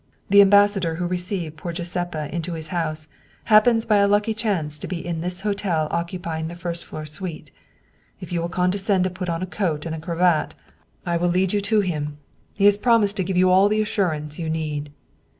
The ambassador who received poor Giuseppa into his house happens by a lucky chance to be in this hotel occupying the first floor suite. If you will condescend to put on a coat and a cravat, I will German Mystery Stories lead you to him. He has promised to give you all the assurance you need."